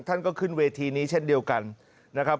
ท่านก็ขึ้นเวทีนี้เช่นเดียวกันนะครับ